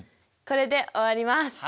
これで終わります。